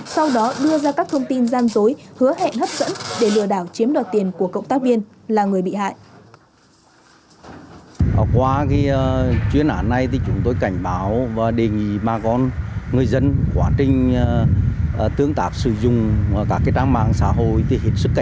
sau đó đưa ra các thông tin gian dối hứa hẹn hấp dẫn để lừa đảo chiếm đoạt tiền của cộng tác viên là người bị hại